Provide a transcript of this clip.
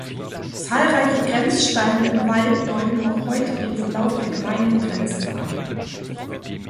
Zahlreiche Grenzsteine im Wald deuten noch heute den Verlauf der Gemeindegrenzen an.